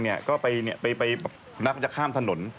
นักจะข้ามถนน